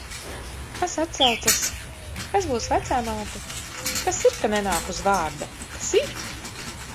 Kas atsaucas? Kas būs vecāmāte? Kas ir, ka nenāk uz vārda? Kas ir?